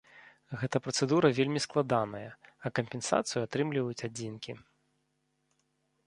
Гэта працэдура вельмі складаная, а кампенсацыю атрымліваюць адзінкі.